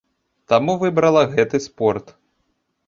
Таму выбрала гэты спорт.